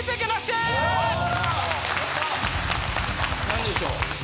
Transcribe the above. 何でしょう。